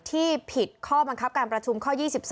ที่ผิดข้อบังคับการประชุมข้อ๒๒